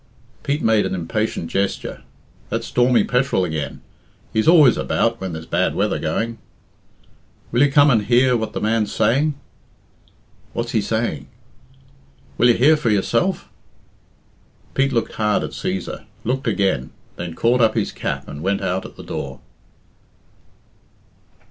Pete made an impatient gesture. "That stormy petrel again! He's always about when there's bad weather going." "Will you come and hear what the man's saying?" "What's he saying?" "Will you hear for yourself?" Pete looked hard at Cæsar, looked again, then caught up his cap and went out at the door.